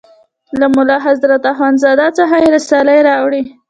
له ملا حضرت اخوند زاده څخه یې رسالې راوړې.